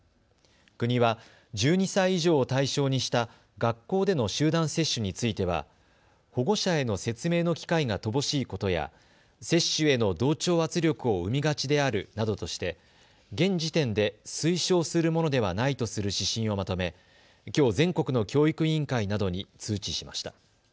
国は１２歳以上を対象にした学校での集団接種については保護者への説明の機会が乏しいことや接種への同調圧力を生みがちであるなどとして現時点で推奨するものではないとする指針をまとめきょう全国の教育委員会などに通知しました。